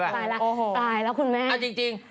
ตายละคุณแม่เอาจริง